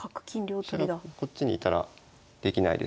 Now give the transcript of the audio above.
飛車がこっちにいたらできないですよね。